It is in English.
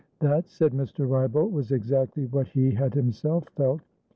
That, said Mr. Wrybolt, was exactly what he had himself felt.